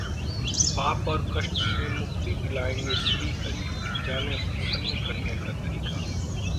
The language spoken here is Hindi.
पाप और कष्ट से मुक्ति दिलाएंगे श्री हरि, जानें प्रसन्न करने का तरीका